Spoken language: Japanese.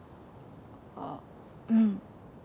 あっうん。